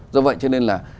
do vậy cho nên là